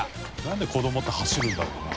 「なんで子どもって走るんだろうな」